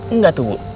enggak tuh bu